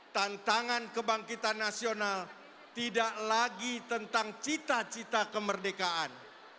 tantangan kebangkitan nasional tidak lagi tentang cita cita kemerdekaan